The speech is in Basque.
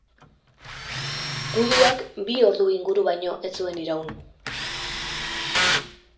Guduak, bi ordu inguru baino ez zuen iraun.